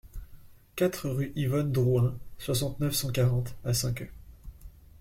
quatre rue Yvonne Drouin, soixante, neuf cent quarante à Cinqueux